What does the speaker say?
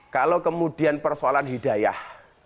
kalau kemudian persoalan hidayah